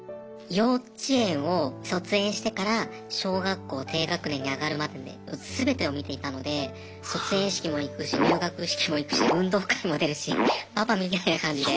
幼稚園を卒園してから小学校低学年に上がるまでね全てを見ていたので卒園式も行くし入学式も行くし運動会も出るしパパみたいな感じで。